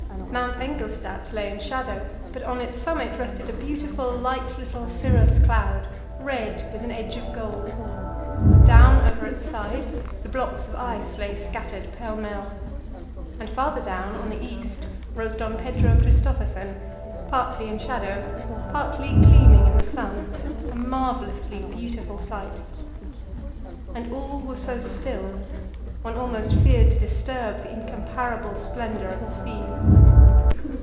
Mount Engelstad lay in shadow, but on its summit rested a beautiful light little cirrus cloud, red with an edge of gold. Down over its side the blocks of ice lay scattered pell mell. And farther down on the east rose Don Pedro Christophersen, partly in shadow, partly gleaming in the sun a marvellously beautiful sight. And all was so still; one almost feared to disturb the incomparable splendour of the scene.